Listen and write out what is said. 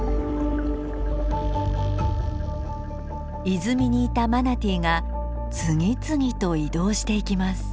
泉にいたマナティーが次々と移動していきます。